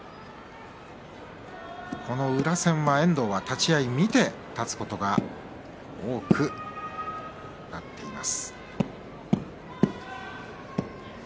この宇良戦立ち合い、見て立つことが多くなっています。